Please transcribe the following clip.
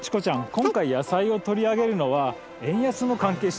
今回野菜を取り上げるのは円安も関係しているんだ。